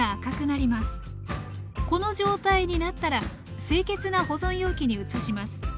この状態になったら清潔な保存容器に移します。